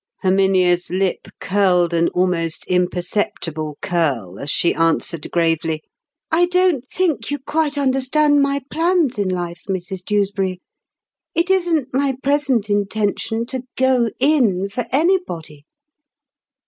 Herminia's lip curled an almost imperceptible curl as she answered gravely, "I don't think you quite understand my plans in life, Mrs Dewsbury. It isn't my present intention to go in for anybody."